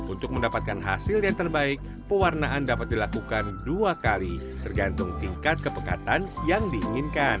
untuk mendapatkan hasil yang terbaik pewarnaan dapat dilakukan dua kali tergantung tingkat kepekatan yang diinginkan